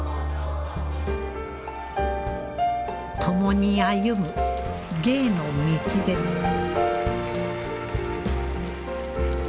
共に歩む芸の道です。